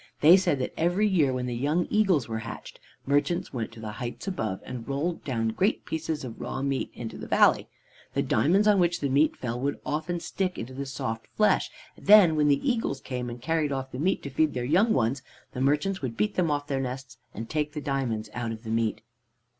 They said that every year, when the young eagles were hatched, merchants went to the heights above, and rolled down great pieces of raw meat into the valley. The diamonds on which the meat fell would often stick into the soft flesh, and then when the eagles came, and carried off the meat to feed their young ones, the merchants would beat them off their nests, and take the diamonds out of the meat.